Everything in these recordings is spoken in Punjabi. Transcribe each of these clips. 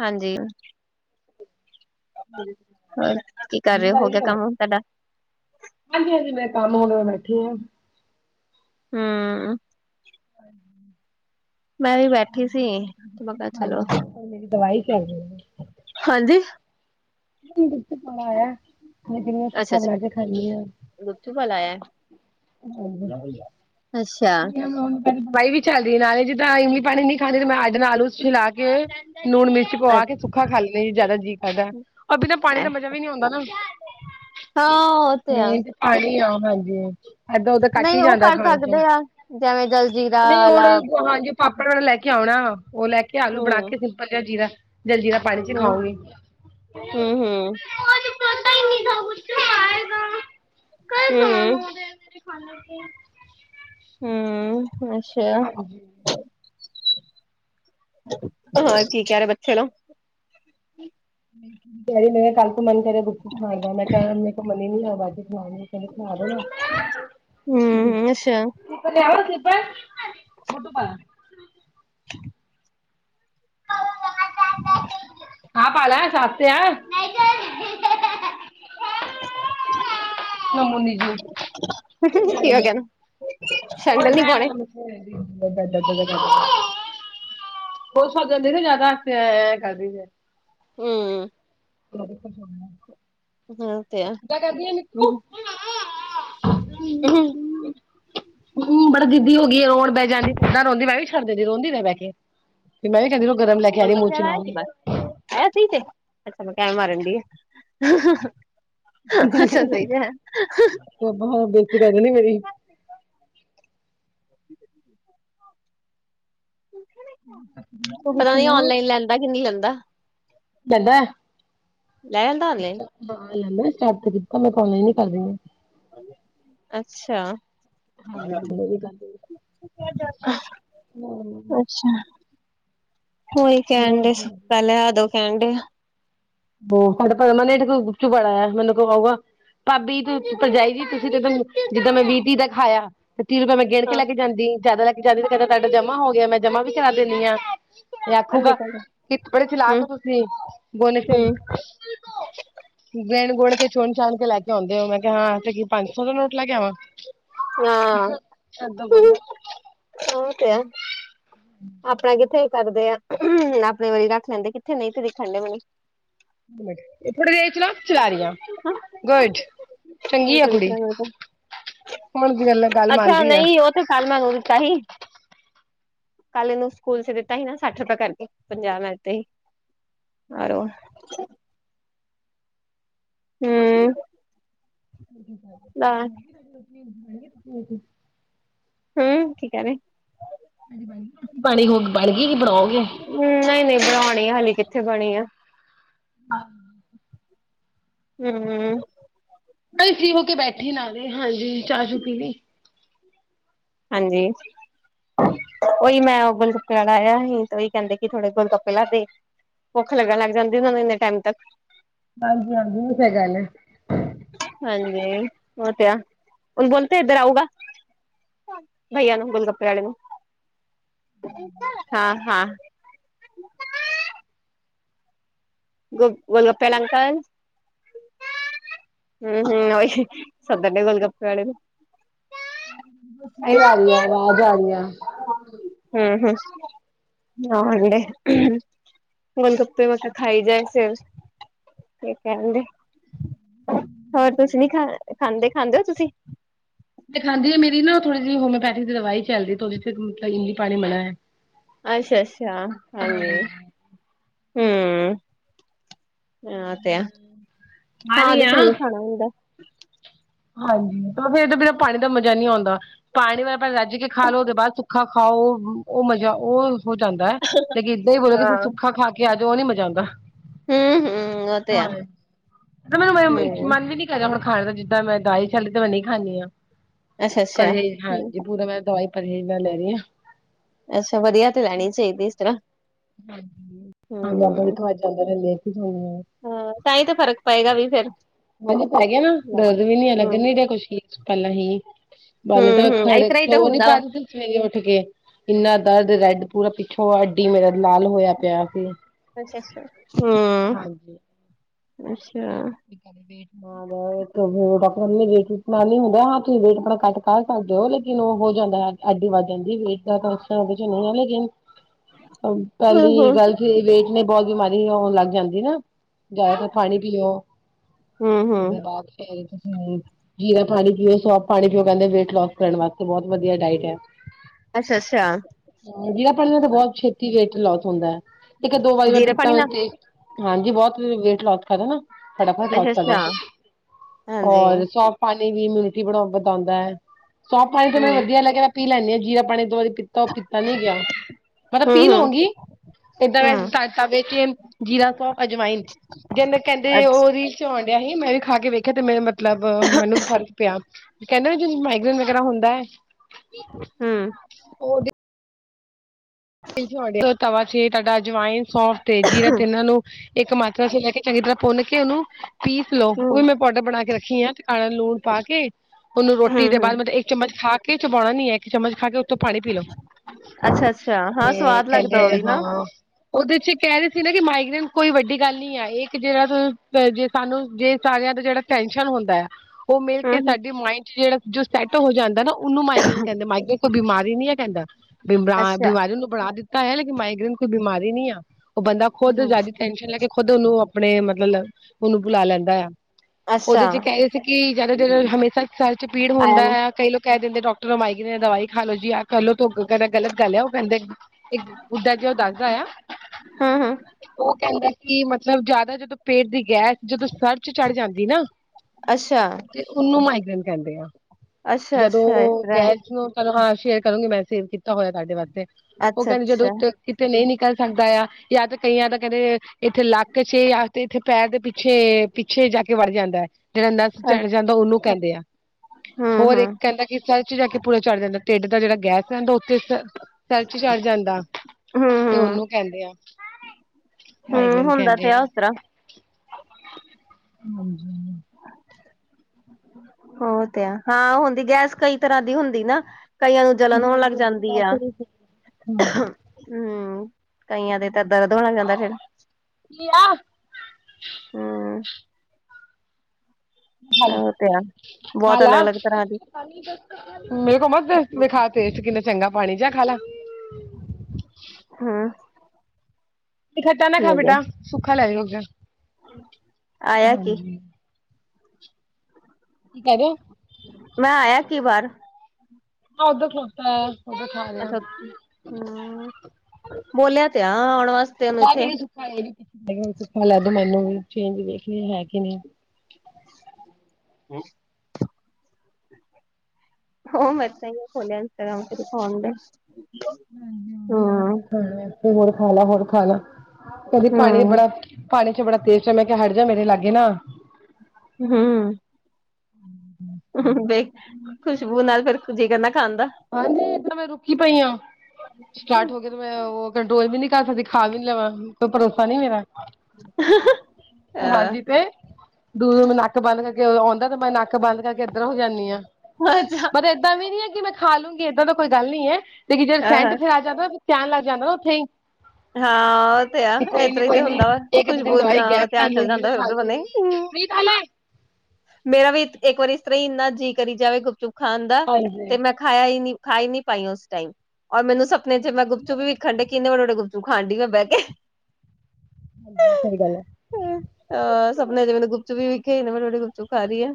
ਹਾਂਜੀ ਹੋਰ ਕੀ ਕਰ ਰਹੇ ਹੋ ਹੋ ਮੀਦਾਗੇ ਗਿਆ ਬ ਕੰਮ [unintelligible] ਹੁਣ ਤੁਹਾਡਾ ਹਾਂਜੀ ਹਾਂਜੀ ਮੈਂ ਕੰਮ ਹੁਣ ਮ ਬੈਠੇ ਹਾਂ [unintelligible] ਹਮ ਮੈਂ ਵੀ ਬੈਠੀ ਸੀ ਤੇ ਮੈਂ ਕਿਹਾ ਚਲੋ ਹਾਂ [inaudible] ਖ ਮੇਰੀ ਦਵਾਈ ਕ ਲ [unintelligible] ਹਾਂਜੀ ਪਾਣਾਆ [unintelligible] ਹ ਜਿਵੇਂ ਅਸੀਂ ਅੱਛਾ ਅੱਛਾ ਖਾਵਣਾ ਚ ਖਾਈਦੇ ਹ ਗੁਪਚੁਪ ਵਾਲਾ ਆਇਆ ਹਾਂਜੀ [unintelligible] ਅੱਛਾ ਦਵਾਈ ਵੀ ਚੱਲਦੀ ਨਾਲੇ ਜਿਦਾਂ ਇਲੀ ਪਾਣੀ ਨੀ ਖਾਂਦੀ ਤੇ ਮੈਂ ਅੱਡ ਨਾਲੂ ਚਲਾ ਕੇ ਨੂਣ ਮਿਰਚ ਪਵਾ ਕੇ ਸੁੱਖਾ ਖਾ ਲੈਂਦੇ ਜੀ ਜ਼ਿਆਦਾ ਜੀਅ ਖਾਦਾ ਉਹਭੀ ਤਾਂ ਪਾਣੀ ਅੱਛਾ ਦਾ ਮਜ਼ਾ ਵੀ ਨਹੀਂਆਉਂਦਾ ਨਾ ਹਾਂ ਉਹ ਤੇ ਆ ਮੀ ਆਣੀ ਹ ਹਾਂਜੀ ਏਦਾਂ ਉਦਾਂ ਘੱਟ ਹੀ ਨਹੀਂ ਉਹ ਜਾਂਦਾ ਕਰ ਖਾਣ ਤੋਂ ਸਕਦੇ ਆ ਜਿਵੇਂ ਜਲਜੀਰਾ ਨਹੀਂ ਹੁਣ ਵਾਲਾ ਹਾਂਜੀ ਪਾਪੜ ਵਾਲਾ ਲੈ ਕੇ ਆਉਣਾ ਉਹ ਲੈ ਕੇ ਆਲੂ ਬਣਾ ਹੂੰ ਕੇ ਸਿੰਪਲ ਜਿ ਜੀਰਾ ਜਲਜੀਰਾ ਪਾਣੀ ਚ ਹੂੰ ਖਾਓ ਹੂੰ ਹੂੰ ਹਮ ਹਮ ਮ ਕੇ [unintelligible] ਹਮ ਅੱਛਾ ਹਾਂ ਕੀ ਕਰੇ ਬੱਚੇ ਨੂੰ ਕਹਿ ਮੈਂ ਕਿਹਾ ਕੱਲ ਤ ਮਨ ਕਰੇ ਰੁਟੀ ਖਾਣ ਦਾ ਮੈਂ ਕਿਹਾ ਮੇਰੇ ਮਨੀ ਨੀ ਆ ਬਾਜ਼ ਖਾਣੀ ਚਕ ਆਗਣਾ ਹੂੰ ਅੱਛਾ [unintelligible] [unintelligible] [inaudible] [inaudible] ਹਾਂ ਪਾਲ ਸਖਤ ਆ [inaudible] ਨਮੂੰਨੀ ਜ ਕੀ ਹੋ ਗਿਆ ਇਹਨੂੰ ਸੈਂਡਲ ਨੀ ਪਾਉਣੇ ਉਹ [unintelligible] ਹੋ ਸੱ ਜਾਂਦੀ ਨਾ ਜਿਆਦਾ ਹ ਕਰਦੀ ਹਮ ਕਦੇ ਸੁ [unintelligible] ਹਾਂ ਤੇ ਕਿੱਦਾਂ ਕਰਦੀ ਆ ਨਿੱਕੂ ਗੋਲਗੱਪੇ ਹਮ ਬੜਾ ਦੀਿੱਦੀ ਹੋ ਗਈ ਆ ਰੋਣ ਬੈ ਜਾਂਦੀ ਕਿੱਦਾਂ ਰੋਂਦੀ ਮੈਂ ਵੀ ਛੱਡਦੀ ਰੋਂਦੀ ਮ ਬੈ ਕੇ ਮੈਂ ਵੀ ਕਹਿੰਦੀ ਗਰਮ ਲੈ ਕੇ ਆ ਰ ਮੂੰਚ ਲਗੀ ਕ ਸੀ ਤੇ ਅੱਛਾ ਮੈਂ ਕਹਿ ਮਾਰਨ ਡ ਆ ਹਹ ਅੱਛਾ ਸਹੀ ਤਾਂ ਹੈ ਬੇਇਜਤੀ ਕਰਦੇ ਨੀ ਮੇਰੀ [inaudible] ਪਛ ਪਤਾ ਨੀ ਨੂੰ ਔਨਲਾਈਨ ਲੈਂਦਾ ਕਿ ਨਹੀਂ ਲੈਂਦਾ ਦਦਾ [unintelligible] ਲੈਦਾ ਲੈ ਹਾਂ ਲੈਂਦਾ ਸਟਾਰਟ ਤੇ ਕੀਤਾ ਮੈਂ ਕਨਈ ਨੀ ਕਰ ਰਹੀ ਹਾਂ ਅੱਛਾ ਹਾਂਜੀ ਔਨਲਾਈਨ ਹੀ ਕਰਦੀ ਆ। ਅੱਛਾ ਹੋਈ ਕਹਿਣ ਡੇ ਮੈਂ ਸੁ ਲਿਆ ਦੋ ਕਹਿਣ ਡੇ ਉਹ ਤੁਹਾਡਾ ਪਤਾ ਮਨਪ ਚੁ ਬਾਲਾਆ ਮੈਨੂੰ ਕ ਕਊਗਾ ਭਾਬੀ ਤੂੰ ਭਜਾਈ ਜੀ ਤੁਸੀਂ ਤੇ ਜਿੱਦਾਂ ਮੈਂ ਵੀਹ ਤੀਹ ਦਾ ਖਾਇਆ ਤੇ ਤੀਹ ਰੁਪਇਆ ਮੈਂ ਗਿਣ ਕੇ ਹਾਂ ਲੈ ਕੇ ਜਾਂਦੀ ਜਿਆਦਾ ਲੈ ਕੇ ਜਾਂਦੀ ਤੇ ਕਹਿੰ ਤੁਹਾਡਾਮਾ ਹੋ ਗਿਆ ਮੈਂ ਜਮਾ ਵੀ ਕਰਾ ਦਿੰਦੀ ਹਾਂ ਅਰੇ ਆਖੂਗਾ ਨਿਕਲ ਜਾ ਕਿੱਪੜੇ ਚਲਾ ਹੂੰ ਕੇ ਤੁਸੀਂ ਗੋਨੇ ਚ ਹੂੰ ਗੈਣ ਗੁਣ ਕੇ ਚੁਣ ਚਾਣ ਕੇ ਲੈ ਕੇ ਆਉਂਦੇ ਹੋ ਮੈਂ ਕਿਹਾ ਹਾਂ ਕੀ ਪੰਜ ਸੌ ਦਾ ਨੋਟ ਲੈ ਕੇ ਆਵਾਂ ਹਾਂ ਏਦਾਂ ਬੋਲਦਾ ਕ ਆ ਆਪਣਾ ਕਿੱਥੇ ਕਰਦੇ ਆ ਆਪਣੇ ਵਾਰੀ ਰੱਖ ਲੈਂਦੇ ਕਿੱਥੇ ਨਹੀਂ ਤੇ ਦੇਖਣ ਡ ਮਣੀ ਇੜ ਜਚਣਾ ਚਲਾਾਰੀਆਂ ਹਾਂ [unintelligible] ਗਡ ਚੰਗੀ ਨਹੀਂ ਆ ਤਾਂ ਦਿਖ ਕੁੜੀ ਰਿਹਾ ਮੇਰੇ ਕੋ ਹੁਣ ਗ ਗੱਲ ਅੱਛਾ ਮੰਨਦੀ ਆ ਨਹੀਂ ਉਹ ਤੇ ਕਲਮਗ ਦਿੱਤਾ ਸੀ ਕੱਲ ਇਹਨੂੰ ਸਕੂਲ ਚ ਦਿੱਤਾ ਸੀ ਨਾ ਸੱਠ ਰੁਪ ਕਰਕੇ ਪੰਜਾਹ ਮ ਦਿੱ ਤੇ ਸੀ ਆਰੋ ਹਮ ਤੁਸੀਂ ਹਮ ਕਿ ਕੇਹਰੇ ਪਾਣੀ ਹੋ ਬਣ ਗਈ ਕਿ ਬਣਾਓਗੇ ਹਮ ਨਹੀਂ ਨਹੀਂ ਬਣਾਉਣੀ ਆ ਹਾਲਲੀ ਕਿੱਥੇ ਬਣੀ ਆ ਆਹ ਹਮ ਫ੍ਰੀ ਹੋ ਕੇ ਬੈਠੇ ਨਾਲੇ ਹਾਂਜੀ ਚਾਹ ਚੂ ਪੀ ਲਈ ਹਾਂਜੀ ਹਮ ਉਓਹੀ ਮੈਂ ਗੁਲਤੋਪੇ ਵਾਲਾ ਆਆ ਸੀ ਤੇ ਉਹੀ ਕਹਿੰਦੇ ਕਿ ਥੋੜੇ ਗੁਲਤੋਪੇ ਲਾਦੇ ਭੁੱਖ ਲੱਗਾ ਲੱਗ ਜਾਂਦੀਨਾਂ ਨੂੰ ਇੰਨੇ ਟਾਈਮ ਤੱਕ ਹਾਂਜੀ ਹਾਂਜੀ ਉ ਤੇ ਗੱਲ ਹੈ ਹਾਂਜੀ ਉਹ ਤੇ ਆ ਹੁਣ ਬੋਲ ਤੇ ਇੱਧਰ ਆਊਗਾ ਭਆ ਨੂੰ ਗੋਲਗੱਪਰਿਆਲੇ ਨੂੰ ਹਾਂ ਹਾਂ ਗ ਗੋਲ ਗਪੇ ਲ ਅੰਕਲ ਹਮ ਹਮ ਹੀ ਸਤਰ ਗਲਡ ਕੱਪ ਖਵਾੜ ਆ ਰਹੀ ਹੈ ਆਵਾਜ਼ ਆ ਰਹੀ ਹੈ ਹਮ ਹਮ ਹਡੇ ਗੱਲ ਗੁਪ [unintelligible] ਖਾਈ ਜਾਏ ਫ ਕਹਿੰਦੇ ਹੋਰ ਤੁ ਨ ਖਾ ਖਾਂਦੇ ਖਾਂਦੇ ਹੋ ਤੁਸੀਂ ਤੇਖ ਖਾਂਦੀ ਹੈ ਮੇਰੀ ਨਾ ਥੋੜੀ ਜਿਹੀ ਹੋਮਿਓਪੈਥੀ ਦੀ ਦਵਾਈ ਚੱਲਦੀ ੋੜੀ ਤੇ ਇੰਨੀ ਪਾਣੀ ਮਨਾ ਹੈ ਅੱਛਾ ਅੱਛਾ ਹਾਂਜੀ ਹਮ ਆਹ ਤੇ ਆ ਆ ਹਾਂ ਰਹੀ ਉਹਦੇ ਆ। ਚ ਨਹੀਂ ਖਾਣਾ ਹੁੰਦਾ ਹਾਂਜੀ ਤੇ ਫਿਰ ਇਹ ਤੋਂ ਬਿਨਾਂ ਪਾਣੀ ਦਾ ਮਜ਼ਾ ਨਹੀਂੀ ਆਉਂਦਾ ਪਾਣੀ ਵ ਆਪ ਰੱਜ ਕੇ ਖਾ ਲੋ ਉਹਦੇ ਬਾਅਦ ਸੁੱਖਾ ਖਾਓ ਉਹ ਮਜ਼ਾ ਉਹ ਹੋ ਜਾਂਦਾ ਲੇਕਿਨ ਇਦ ਹੀ ਬੋਲ ਤੁਸੀ ਹਾਂ ਸੁੱਖਾ ਖਾ ਕੇ ਆ ਜਾਓ ਨੀਜ਼ਾਉਂਦਾ ਹੂੰ-ਹੂੰ ਉਹ ਤੇ ਆ ਹਾਂ ਮੈ ਹੂੰ ਮਾਨ ਵੀ ਨਹੀਂ ਹੈਗਾ ਹੁਣ ਖਾਣ ਦਾ ਜਿੱਦਾਂ ਮੈਂ ਦਾਲ ਾਲੀ ਤੇ ਮੈਂ ਨਹੀਂ ਖਾਂਦੀ ਹਾਂ ਅੱਛਾ-ਅੱਛਾ ਪਰਹੇਜ਼ ਹੂੰ ਹਾਂਜੀ ਪੂਰਾ ਮੈਂ ਦਵਾਈ ਪਰਹੇਜ਼ ਨਾਲੈਂ ਲੈ ਰਹੀ ਹਾਂ ਅੱਛਾ ਵਧੀਆ ਤੇ ਲੈਣੀ ਚਾਹੀਦੀ ਇਸ ਤਰ੍ਹਾਂ ਹਾਂਜੀ ਹਾਂ ਲਦਾਾ ਹੂੰ ਵੀਥੋਂ ਅੱਜ ਜਾਂਦੇ ਰਹਿੰਦੇ ਆ ਸੁਣ ਹਾਂ, ਤਾਂ ਹੀ, ਤਾਂ ਫਰਕ ਪਏਗਾ। ਵੀ ਫੇਰ, ਮੈਂ ਕਿਹਾ, ਪੈ ਗਿਆ ਨਾ। ਦਰਦ ਲਵਾਂਗੇ ਵੀ ਨੀ ਆ। ਹੂੰ ਲੱਗ ਨੀ ਰਿਹਾ ਕੁਛ ਪਹਿਲਾਂ ਹੀ ਪਹਲੇ ਤਾਂ, ਹੂੰ-ਹੂੰ ਇਸ ਖੜੇ ਤਰ੍ਹਾਂ ਹੀ ਤਾਂ ਘਿਓ ਨਹੀਂ ਹੁੰਦਾ ਪਾਇਆ ਵਾ ਦੁੱਧ ਚ। ਸਵੇਰੇ ਉੱਠ ਗੇ। ਇੰਨਾ ਦਰਦ, ਰੈਡ ਪੂਰਾ ਪਿੱਛੋਂ, ਅੱਡੀ ਮੇਰਾ ਲਾਲ, ਹੋਇਆ ਪਿਆ ਸੀ। ਹੂੰ, ਅੱਛਾ। ਕਰਦੇ ਵੇ। ਹਾਂ, ਬਹੁਤ ਪੂਰਾ ਸਵੈਲਿੰਗ, ਹੋ ਗਿਆ ਹੱਥ। ਵੇਟ ਆਪਣਾ ਘਟ, ਕਰ ਸਕਦੇ ਹੋ, ਲੇਕਿਨ ਉਹ ਬਹੁਤ ਜਿਆਦਾ ਹੈ। ਐਡੀ ਵੱਧ ਜਾਂਦੀ। ਵੇਟ ਦਾ ਤਾਂ ਅਸਰ, ਉਹਦੇ ਚ ਨਹੀਂ ਹੈ। ਲੇਕਿਨ ਪਹਿਲੀ ਹੂੰ-ਹੂੰ ਗੱਲ, ਵੇਟ ਨੇ, ਬਹੁਤ ਬਿਮਾਰੀ ਹੋਰ ਲੱਗ ਜਾਂਦੀ ਨਾ। ਜ਼ਿਆਦਾਤਰ ਪਾਣੀ ਪੀਓ। [unintelligible] ਦੇ ਹੂੰ-ਹੂੰ ਬਾ ਤੁਸੀਂ ਜੀਰਾ ਪਾਣੀ ਪੀਓ, ਸੋਫ ਪਾਣੀ ਪੀਓ, ਕਹਿੰਦੇ ਵੇਟ ਲੋਸ ਕਰਨ ਵਾਸਤੇ, ਬਹੁਤ ਵਧੀਆ ਡਾਇਟ ਹੈ। ਅੱਛਾ- ਅੱਛਾ। ਹ ਜੀੜਾ ਪਾਣੀ ਨਾਲ ਤਾਂ, ਬਹੁਤ ਛੇਤੀ ਵੇਟ ਲੋਸ ਹੁੰਦਾ ਹੈ। ਇਕ, ਦੋ ਵਾਰੀ ਮੈਂ ਜੀਰੇ ਪੀਤਾ। ਪਾਣੀ ਨਾਲ ਹਾਂਜੀ, ਬਹੁਤ ਵੇਟ ਲੋਸ ਕਰਦਾ ਨਾ। ਫਟਾਫਟ ਲੋਸ ਕਰਦਾ। ਅੱਛਾ-ਅੱਛਾ ਹਾਂਜੀ ਔਰ ਪਾਣੀ ਵੀ ਇਮਿਊਨਿਟੀ, ਬਣਾ ਬ ਵਧਉਂਦਾ ਹੈ। ਸੋਫ਼ ਪਾਣੀ ਤਾਂ ਮੇਨ, ਹੂੰ ਵਧੀਆ ਲੱਗਾ, ਪੀ ਲੈਂਦੇ ਹਾਂ। ਜੀਰਾ ਪਾਣੀ ਦੋ ਬਾਰੀ ਪੀ ਤਾਂ, ਉਹ ਪੀਤਾ ਨੀ ਗਿਆ। ਮੈਂ ਕਿਹਾ ਪੀ ਹੂੰ-ਹੂੰ ਲਉਂਗੀ। ਇੱਦਾਂ ਹੂੰ ਵੈ ਹੂੰ [unintelligible] ਸਾਡ ਵੇਖ ਜੀਰਾਾਂ, ਸੌਫ, ਅਜਵਾਾਈਨ ਜਨ ਤੇ ਅੱਛ ਉਹ, ਰੀਲ ਚ ਆਂ ਡਿਆ ਸੀ। ਮੈਂ ਵੀ ਖਾ ਕੇ, ਵੇਖਿਆ ਤੇ ਮੇਰੇ। ਮਤਲਬ ਮੈਨੂੰ, ਫ਼ਰਕ ਪਿਆ। ਕਹਿੰਦੇ ਨਾ ਜਿ ਨੂੰ ਮਾਈਗ੍ਰੇਨ ਵਗੈਰਾ ਹੁੰਦਾ ਹੈ। ਹੂੰ ਉਹ ਪ ਤੁਹਾਡੇ ਤਵਾ ਤੇ। ਤੁਹਾਡਾ ਅਜਵਾਇਨ, ਸੋਫ ਤੇ ਜੀਰਾ ਤੇ ਤਿੰਨਾਂ ਨੂੰ, ਇੱਕ ਮਾਤਰਾ ਸੀ। ਲੈ ਕੇ, ਚੰਗੀ ਤਰਾਂ ਭੁੰਨ ਕੇ, ਉਹਨੂੰ ਪੀਸ ਲਓ। ਉਹ ਵੀ ਹੂੰ ਮੈਂ ਪਾਊਡਰ ਬਣਾ ਕੇ ਰੱਖੀ ਆ। ਤੇ ਕਾਣਾ ਲੂਣ ਪਾ ਕੇ। ਉਹਨੂੰ ਰੋਟੀ ਦੇ, ਹੂੰ-ਹੂੰ ਬਾਦ ਮਤਲਬ ਇੱਕ ਚਮ ਖਾ ਕੇ। ਚਬਉਣਾ ਨ ਨਹੀਂ ਹੈ। ਇੱਕ ਚਮਚ ਖਾ ਕੇ ਉੱਥੋਂ ਪਾਣੀ ਪੀ ਲੋ। ਅੱਛਾ, - ਅੱਛਾ। ਹਾਂ, ਸਵਾਦ ਲੱਗਦਾ ਕਹਿੰਦੇ ਉਹ ਵੀ। ਨਾ, ਹਾਂ ਉਹਦੇ ਚ, ਕਹਿ ਰਹੇ ਸੀ ਨਾ। ਕਿ ਮਾਈਗਰੈਂਨ ਕੋਈ, ਵੱਡੀ ਗੱਲ ਨਹੀਂ ਹੈ। ਇਹ ਜਿਹੜਾ ਜੇ, ਸਾਨੂੰ ਜੇ ਸਾਰਿਆਂ ਦਾ ਜਿਹੜਾ। ਟੈਂਸ਼ਨ ਹੁੰਦਾ ਆ। ਉਹ ਮਿਲ ਕੇ ਹੂੰ-ਹੂੰ ਸਾਡੀ, ਮਾਈੰਡ ਚ ਜਿਹੜਾ। ਜੋ ਸੈਟ, ਹੋ ਜਾਂਦਾ ਨਾ, ਉਹਨੂੰ ਮਾਈਗਰੈਂਨ ਕਹਿੰਦੇ। ਮਾਈਗ੍ਰੇਨ, ਕੋਈ ਬਿਮਾਰੀ ਨਹੀਂ ਹੈ। ਕਹਿੰਦਾ ਬਿਰਾ ਅੱਛਾ ਬਣਾ ਦਿੱਤਾ ਹੈ। ਲੇਕਿਨ ਮਾਈਗ੍ਰੇਨ, ਕੋਈ ਬਿਮਾਰੀ ਨਹੀਂ ਆ। ਉਹ ਬੰਦਾ ਖੁਦ ਹੂੰ ਜ਼ਿਆਦਾ ਟੈਨਸ਼ਨ ਲੈ ਕੇ। ਖੁਦ ਉਹਨੂੰ, ਆਪਣੇ ਮਤਲਬ ਉਹਨੂੰ, ਬੁਲਾ ਲੈਂਦਾ ਆ। ਅੱਛਾ ਉਹਦੇ ਚ, ਕਹਿ ਰਹੇ ਸੀ, ਕਿ ਜਦ, ਜਦੋਂ ਹਮੇਸ਼ਾ ਸਰ ਚ, ਪੀੜ ਆਇਆ ਹੁੰਦਾ ਨੀ ਹੈ। ਕਈ ਲੋਕ, ਕਹਿ ਦਿੰਦੇ। ਡਾਕਟਰ ਕੋ ਮਾਈਗਰੇਨਰ ਦੀ ਦਵਾਈ ਖਾ ਲ ਲੋ ਜੀ। ਆਹ ਕਰ ਲੋ ਧੁੱ ਕਦੇ ਗਲਤ ਗੱਲ ਆ। ਉਹ, ਕਹਿੰਦਾ। ਇੱਕ ਬੁੱਧਾ ਜਿਹਾ, ਉਹ ਦੱਸਦਾ ਆ। ਹੂੰ-ਹੂੰ ਉਹ ਕਹਿੰਦਾ ਕਿ ਮਤਲਬ, ਮਤਲਬ ਜ਼ਿਆਦਾ ਜਦੋਂ, ਪੇਟ ਦੀ ਗੈਸ ਜਦੋਂ ਸਰ ਚ, ਚੜ ਜਾਂਦੀ ਨਾ। ਅੱਛਾ, ਉਹਨੂੰ ਮਾਈਗ੍ਰੈਂਟ, ਕਹਿੰਦੇ ਆ। ਜਦੋਂ ਅੱਛਾ-ਅੱਛਾ ਇਸ ਤਰ੍ਹਾਂ ਐ ਗੈਸ ਨੂੰ, ਚਲੋ ਹਾਂ। ਸ਼ੇਅਰ ਕਰੂੰਗੀ। ਮੈਂ ਸੇਵ ਕੀਤਾ ਹੋਇਆ। ਤੁਹਾਡੇ ਵਾਸਤੇ, ਉਹ ਕਹਿੰਦੇ ਅੱਛਾ-ਅੱਛਾ ਜਦੋਂ, ਇੱਥੇ ਨਹੀਂ ਨਿਕਲ ਸਕਦਾ ਆ। ਜਾਂ ਤੇ ਕਈਆਂ ਦਾ ਕਹਿੰਦੇ, ਇੱਥੇ ਲੱਕ ਤੇ, ਇੱਥੇ ਪੈਰ ਦੇ ਪਿੱਛੇ। ਪਿੱਛੇ ਜਾ ਕੇ, ਵੜ ਜਾਂਦਾ ਹੈ। ਜਿਹੜਾ ਨਵਸ ਚੜ ਜਾਂਦਾ, ਉਹਨੂੰ ਕਹਿੰਦੇ ਆ। ਹੋਰ ਹੂੰ-ਹੂੰ, ਇੱਕ ਹੂੰ-ਹੂੰ, ਕਹਿੰਦਾ ਕਿ, ਸਰ ਚ ਲੇ ਕੇ ਪੂਰਾ, ਚੜ ਜਾਂਦਾ। ਢਿੱਡ ਦਾ ਜਿਹੜਾ ਗੈਸ ਰਹਿੰਦਾ। ਉੱਥੇ, ਸਰ ਚੜ ਜਾਂਦਾ, ਹੂੰ ਹੂੰ ਤੇ ਹੂੰ ਉਹਨੂੰ ਕਹਿੰਦੇ ਆ। ਹੂੰ ਹੂੰ ਮਾਈਗ੍ਰੇਨ ਹੁੰਦਾ ਕਹਿੰਦੇ। ਤੇ ਆ ਉਸ ਤਰ੍ਹਾਂ ਆ ਹਾਂਜੀ। ਹੋ ਤੇ ਆ। ਹਾਂ, ਹੁੰਦੀ ਗੈਸ। ਕਈ ਤਰਾਂ ਦੀ, ਹੁੰਦੀ ਨਾ। ਕਈਆਂ ਨੂੰ, ਜਲਣ ਹੋਣ ਲੱਗ ਜਾਂਦੀ ਆ। ਹੂੰ, ਕਈਆਂ ਤੇ ਤਾਂ, ਦਰਦ ਹੋਣਾ ਕਹਿੰਦਾ। ਫੇਰ, ਕੀ ਆ। ਹੂੰ ਖ ਉਹ ਤੇ ਆ ਖ ਬਹੁਤ ਲਾ, ਅਲੱਗ-ਅਲੱਗ ਤਰ੍ਹਾਂ ਦੀ ਮੇਰੇ ਕੋ ਮਤ ਦੇ। ਮ ਖਾ ਟੇਸਟ ਕਿੰਨਾ ਚੰਗਾ। ਪਾਣੀ ਜਾ, ਖਾਲ ਲਾ। ਹੂੰ। ਖਟਾ ਨਾ, ਕੀ ਖਾ ਹੋ ਗਿਆ ਬੇਟਾ। ਸੁੱਖਾ ਲੈ ਜਾਓ। ਉਧਰ ਆਇਆ ਕੀ ਹਾਂਜੀ। ਕੀ ਕਹਿ ਰਹੇ ਹੋ। ਮੈਂ ਆਇਆ ਕਈ ਵਾਰ ਓਦਾਂ ਖਲੋਤਾ ਹੈ ਦਿਖਾ ਰਿਐ ਐ ਅੱਛਾ ਹੂੰ ਬੋਲਿਆ ਤੇ ਆ ਆਉਣ ਵਾਸਤੇ ਉਹਨੂੰ ਲ ਇੱਥੇ ਜਿਹੜ ਸੁੱਖਾ ਇਹ ਵੀ ਪਿੱਛ ਸੁ ਹਾਂ ਲੈਦੋ ਮੈਨੂੰ ਵੀ ਚੇਂਜ ਵੇਖ ਹੈਗੇ ਨੇ ਹਮ ਹੋ ਮਸਾਂ ਖੋੱਲਿਆ ਇੰਸਟਾਗ ਫਡ ਹਾਂਜੀ ਵੀ ਲੱ ਖਾ ਹੋਣ ਖਾ ਲਾ ਹੋਣ ਖਾਾ ਕਦੀ ਪਾਣੀ ਹੂੰ-ਹੂੰ ਬੜਾ ਪਾਣੀ ਚ ਬੜਾ ਟ ਟੇਸਟ ਹੈ ਮੈਂ ਕਿਹਾ ਹੜ ਜ ਜਾ ਮੇਰੇ ਲਾਗੇ ਨਾ ਹਮ ਹ ਬ ਖੁਸ਼ਬੂ ਨਾਲ ਫੇਿਰ ਜੇ ਕਰਨਾ ਖਾਂਣਦਾ ਹਾਂਜੀ ਦ ਮੈਂ ਰੁਕੀ ਪਈ ਆ ਸਟਾਰਟ ਹੋ ਕੇ ਤੇ ਮੈਂ ਉਹ ਕੰਟਰੋਲ ਵੀ ਨੀ ਕਰ ਸਕਦੀ ਖਾ ਵੀ ਨੀ ਲਵਾਂ ਕੋਈ ਭਰੋਸਾ ਨੀ ਮੇਰਾ ਅਹ ਹਾਂਜੀ ਤੇ ਦੂਰ ਮੈਂ ਨੱਕ ਬੰਦ ਕਰਕੇ ਆਉਂਦਾ ਤੇ ਮੈਂ ਨੱਕ ਬੰਦ ਕਰਕੇ ਇੱਧਰ ਹੋ ਜਾਂਦੀ ਹਾਂ ਅੱਛਾ ਮਲਬ ਏਦਾਂ ਵੀ ਨੀ ਹੈ ਕਿ ਮੈਂ ਖਾ ਲੂੰਗੀ ਇਏਦਾਂ ਤਾਂ ਕੋਈ ਗੱਲ ਨੀ ਹੈ ਲੇਕਿ ਜਿਹੜਾ ਸੈਂਟ ਅ ਫਿਰ ਜਾਂਦਾ ਚਣ ਲੱਗ ਜਾਂਦਾ ਨਾ ਉੱਥੇ ਹਾਂ ਉਹ ਤੇ ਆ ਹੀ ਕੋਈ ਨੀ ਇਤਰਾ ਤੇ ਕੋਈ ਨੀ ਹੁੰਦਾ ਵਾ ਇੱਕ ਦੋ ਦਿਨ ਖੁਸ਼ਬੂ ਅ ਦਵਈ ਗੈਪ ਕਰ ਧਿਆਨ ਚੱਲ ਲਉਗੀ ਜਾਂਦਾ ਫਿਰ ਖਾ ਉਧਰ ਬੰਨੇ ਲਗੀ ਹਮ, ਨਹੀਂ ਤਾਂ ਲੈ [unintelligible] ਮੇਰਾ ਵੀ ਇੱਕ ਵਾਰੀ ਇਸ ਤਰ੍ਹਾਂ ਹੀ ਇੰਨਾ ਜੀਅ ਕਰੀ ਜਾਵੇ ਗੁਪਚੁਪ ਖਾਨ ਦਾ ਹਾਂਜੀ ਤੇ ਮੈਂ ਖਾਇਆ ਹੀ ਨਹੀਂੀ ਖਾਈ ਨੀ ਪਾਈ ਉਸ ਟਾਈਮ ਔਰ ਮੈਨੂੰ ਸਪਨੇ ਮੈਂ ਗੁਪੁ ਵੀ ਵੇਣ ਡ ਕਿੰਨੇਡੇ ਵਡੇੁਪੂ ਤੂੰ ਖਾਂ ਡ ਮੈਂ ਬਹਿ ਕੇ ਹਾਂਜੀ ਸਹੀ ਗੱਲ ਹੈ ਹ ਸਪਨੇ ਜਿ ਮਨੂੰ ਗੁਪਚੁ ਵੀ ਵੇਖੇ ਹੀ ਨੇ ਮੈਂ ਤੁਹਾਡੀੀ ਗੁਪ ਚੁ ਖਾ ਰਹੀ ਆ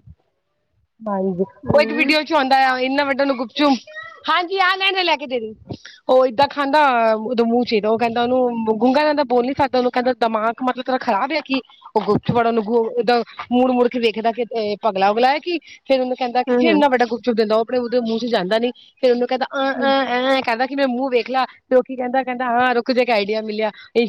ਹਾਂਜੀ ਉਹ ਇੱਕ ਵੀਡੀਓ ਚ ਆਉਂਦਾ ਆ ਇਨਾ ਵੱਡਾ ਨ ਗੁਪ ਚੁ ਹਾਂਜੀ ਆ ਲ ਲੈ ਕੇ ਦੇਰੀ ਉਹ ਏਦਾਂ ਖਾਂਦਾ ਉਹਦੋਂ ਮੂੰਹ ਚਾਹੀਦਾ ਉਹ ਕਹਿੰਦਾ ਉਹਨੂੰ ਗੂੰਗਾ ਲਿੰਦਾ ਬੋਲ ਨੀ ਸਕਦਾ ਉਹਨੂੰ ਕਹਿੰਦਾ ਦਿਮਾਕ ਮਤਲਬ ਕਿਰਾ ਖਰਾਬ ਆ ਕੀ ਉਹ ਗੁਪਤਵਾੜਾ ਨੂੰ ਮ ਮੁੜ ਮੁੜ ਕੇ ਵੇਖਦਾ ਕਿ ਪਗਲਾ ਉਗਲਾ ਹੈ ਕਿ ਫੇ ਉਹਨ ਕਹਿੰਦਾ ਹੂੰ ਹੂੰ ਫਿਰੰ ਵੱਾ ਗੁਪੁਪਿੰਦਾ ਉਹ ਆਪਣੇ ਉਹਦੇ ਮੂੰਹ ਚ ਜਾਂਦਾ ਨਹੀਂ ਫਿਰ ਉਹਨ ਕਹਿੰਦਾ ਹੂੰ ਅ ਅ ਕਦ ਕਿਿੰ ਮੈਂ ਮੂੰ ਬਖ ਖਲਾ ਕਹਿੰਦਾ ਕਹਿੰਦਾ ਹ ਰੁ ਆਈਡੀਆ ਮਿਲਿਆ ਇ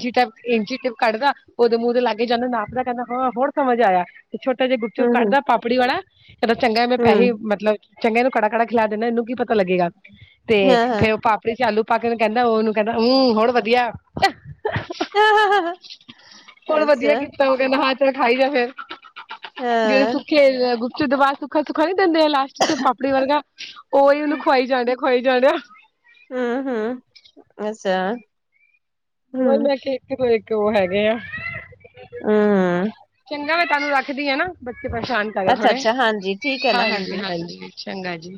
ਇੰਟਿਪ ਕੱਢਦਾ ਉਹਦੇ ਮੂੰਹ ਤੇ ਲਾਗੇ ਜਾਂਦੇ ਨਾਪ ਦਾ ਕਹਿੰਦਾ ਹਾਂ ਹੋਰ ਸਮਝ ਆਇਆ ਛੋਟਾ ਜਿਹਾ ਚੁੱਕ ਹੂੰ ਕੱਢਦਾ ਪਾਪੜੀ ਵਾਲਾ ਫਿਰ ਚੰਗਾ ਮੈਂ ਪੈਸੇ ਹੂੰ ਮਤਲਬ ਚੰਗੇ ਇਹ ਨੂੰ ਕੜਾ ਕੜਾ ਖਿਲਾ ਦਿੰਦਾ ਇਹਨੂੰ ਕੀ ਪਤਾ ਲੱਗੇਗਾ ਤੇ ਹਾਂ ਹਾਂ ਫੇਰ ਉਹ ਪਾਪ ਵਿੱਚ ਆਲੂ ਪਾ ਕੇ ਕਹਿੰਦਾ ਉਹਨੂੰ ਕਹਿੰਦਾ ਹਮਮ ਹਣ ਵਧੀਆ ਹੋਣ ਵਧੀਆ ਅੱਛਾ ਕੀਤਾ ਉਹ ਕਹ ਨਹਾ ਚੜ ਖਾਈ ਜਾ ਫੇਿਰ ਜਿਹੜੇ ਹਾਂ, ਸੁੱਖੇ ਗੁਪਚੂ ਦਬਾ ਸੁ ਸੁੱਕਾ ਨਈਂ ਦਿੰਦੇ ਆ ਲਾਸਟ ਚ ਪਾਪੜੀ ਵਰਗਾ ਉਹੀ ਉਹਨੂੰ ਖੁਆਈ ਜਾਂਦੇ ਖੁਆਈ ਜਾਂਦੇ ਆ ਹਮ ਹਮ ਅੱਛਾ ਹੂੰ, ਮੈਂ ਕਿਹਾ ਇਥੇ ਇੱਕ ਉਹ ਹੈਗੇ ਆ ਹੂੰ, ਮੈਂ ਤੁਹਾਨੂੰ ਰੱਖਦੀ ਹਾਂ ਨਾ ਬੱਚੇ ਪਰੇਸ਼ਾਨ ਕਰੇ ਥੋੜੇ ਅੱਛਾ-ਅੱਛਾ, ਹਾਂਜੀ ਠੀਕ ਐ ਨਾ ਹਾਂਜੀ ਹਾਂਜੀ ਚੰਗਾ ਜੀ